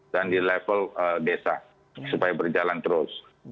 dan di level desa supaya berjalan terus